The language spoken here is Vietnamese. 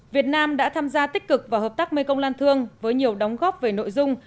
việt nam đã tham gia tích cực vào hợp tác mekong lan thương với nhiều đóng góp về nội dung